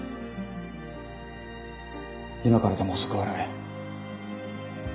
今からでも遅くはない。